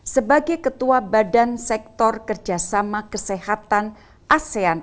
sebagai ketua badan sektor kerjasama kesehatan asean